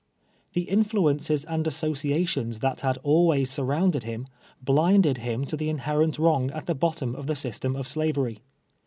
The iniluences and associations tliat liad always surround ed him, blinded him to the inherent wrong at the bot tom of the system of Slavery.